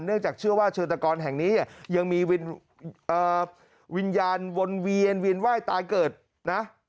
จากเชื่อว่าเชิญตะกรแห่งนี้ยังมีวิญญาณวนเวียนวินไหว้ตายเกิดนะ